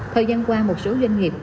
thời gian qua một số doanh nghiệp